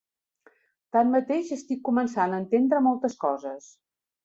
Tanmateix, estic començant a entendre moltes coses.